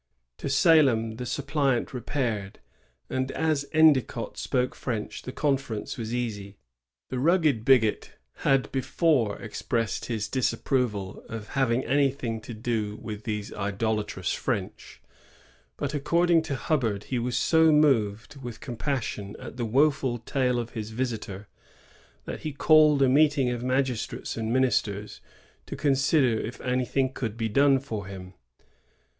To Salem the suppliant repaired; and as Endicott spoke French| the conference was easy. The rugged bigot had before expressed his disap proval of ^having anything to do with these idola trous French ;" but, according to Hubbard, he was so moved with compassion at the woful tale of his visitor that he called a meeting of magistrates and ministers to consider if anything could be done for him.